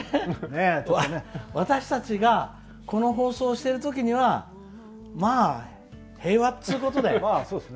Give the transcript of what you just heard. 私たちがこの放送をしているときにはまあ、平和っていうことで。